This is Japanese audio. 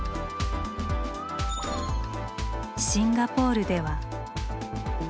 シンガポールでは。